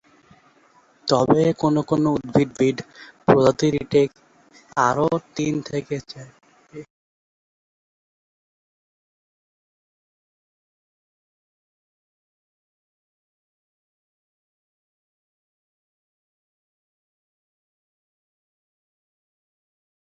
তবে কোন কোন উদ্ভিদবিদ প্রজাতিটিকে আরও তিন থেকে চারটি প্রজাতিতে বিভক্ত করার প্রস্তাব করেছেন।